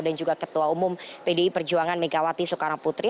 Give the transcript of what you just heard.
dan juga ketua umum pdi perjuangan megawati soekarnoputri